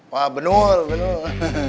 wah benul benul